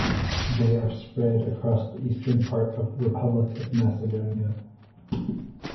They are spread across the eastern part of the Republic of Macedonia.